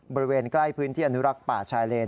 บริเวณใกล้พื้นที่อนุรักษ์ป่าชายเลน